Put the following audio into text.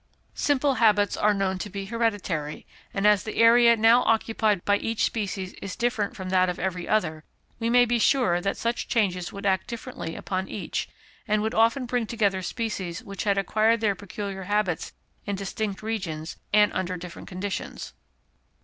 Simple habits are known to be hereditary, and as the area now occupied by each species is different from that of every other, we may be sure that such changes would act differently upon each, and would often bring together species which had acquired their peculiar habits in distinct regions and under different conditions.